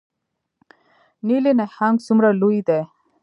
نیلي نهنګ څومره لوی دی؟